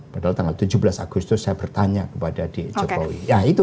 padahal tanggal tujuh belas agustus saya bertanya kepada jokowi